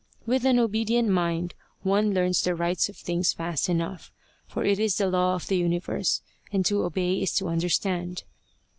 With an obedient mind one learns the rights of things fast enough; for it is the law of the universe, and to obey is to understand.